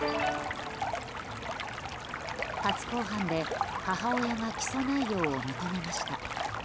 初公判で母親が起訴内容を認めました。